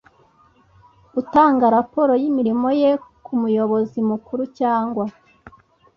utanga raporo y’imirimo ye ku muyobozi mukuru cyangwa